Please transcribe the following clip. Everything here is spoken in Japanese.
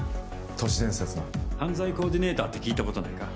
都市伝説の犯罪コーディネーターって聞いたことねえか？